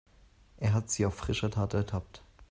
Er hat sie auf frischer Tat ertappt.